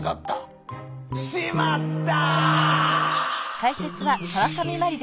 「しまった！」。